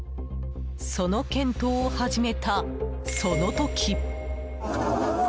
その検討を始めた、その時。